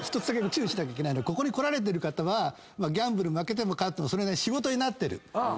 注意しなきゃいけないのはここに来られてる方はギャンブル負けても勝ってもそれが仕事になってる。